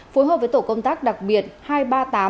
phối hợp với tổ công tác đặc biệt